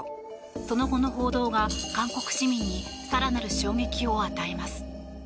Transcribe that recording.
その後の報道が、韓国市民に更なる衝撃を与えます。